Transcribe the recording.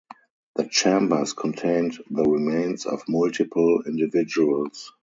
The chambers contained the remains of multiple individuals.